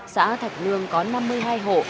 xã thạch lương có năm mươi hai hộ